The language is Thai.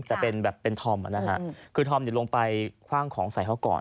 แต่เป็นแบบเป็นธอมนะฮะคือธอมลงไปคว่างของใส่เขาก่อน